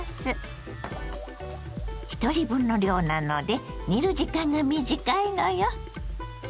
ひとり分の量なので煮る時間が短いのよ。